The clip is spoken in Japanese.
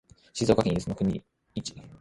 静岡県伊豆の国市